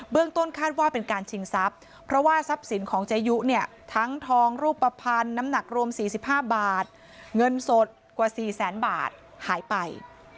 ต้นคาดว่าเป็นการชิงทรัพย์เพราะว่าทรัพย์สินของเจยุเนี่ยทั้งทองรูปภัณฑ์น้ำหนักรวม๔๕บาทเงินสดกว่า๔แสนบาทหายไป